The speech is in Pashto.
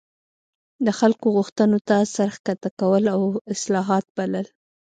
د خلکو غوښتنو ته سر ښکته کول او اصلاحات بلل.